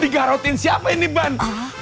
digarotin siapa ini ban